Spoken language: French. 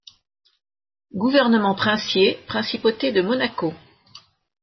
Gouvernement princier, Principauté de Monaco.